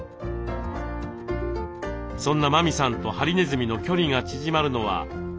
そんな麻美さんとハリネズミの距離が縮まるのはおやつの時間。